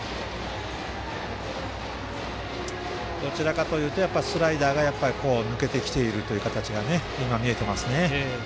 どちらかというと、スライダーが抜けてきている形が今、見えていますね。